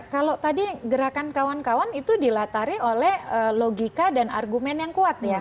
kalau tadi gerakan kawan kawan itu dilatari oleh logika dan argumen yang kuat ya